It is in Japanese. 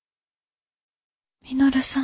稔さん。